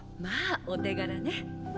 まあお手柄ね。